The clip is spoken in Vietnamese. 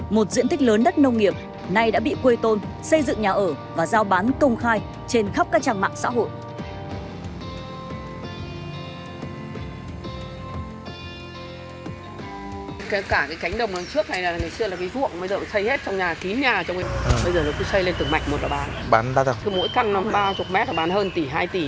một diện tích lớn đất nông nghiệp nay đã bị quê tôn xây dựng nhà ở và giao bán công khai trên khắp các trang mạng xã hội